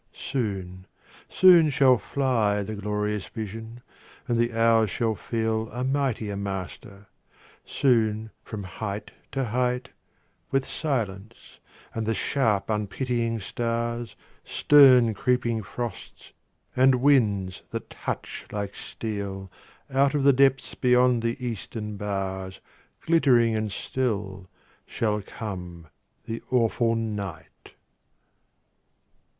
Soon, soon shall fly The glorious vision, and the hours shall feel A mightier master; soon from height to height, With silence and the sharp unpitying stars, Stern creeping frosts, and winds that touch like steel, Out of the depth beyond the eastern bars, Glittering and still shall come the awful night.